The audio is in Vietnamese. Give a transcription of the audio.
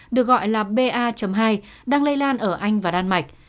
được gọi là ba hai đang lây lan ở anh và đan mạch